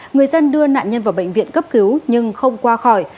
người dân đưa nạn nhân vào bệnh viện cấp cứu nhưng không qua khỏi